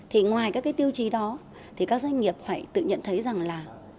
thì ngoài các cái tiêu chí đó thì các doanh nghiệp phải tự nhận thấy rằng là